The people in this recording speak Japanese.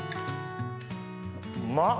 うまっ！